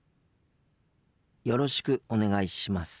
よろしくお願いします。